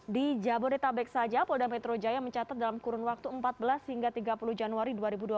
di jabodetabek saja polda metro jaya mencatat dalam kurun waktu empat belas hingga tiga puluh januari dua ribu dua puluh